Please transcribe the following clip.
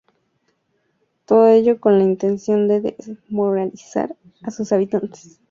Todo ello con la intención de desmoralizar a sus habitantes.